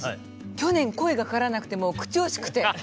去年、声がかからなくてもう口惜しくて。